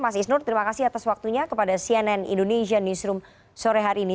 mas isnur terima kasih atas waktunya kepada cnn indonesia newsroom sore hari ini